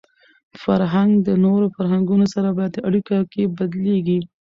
فرهنګ د نورو فرهنګونو سره په اړیکه کي بدلېږي.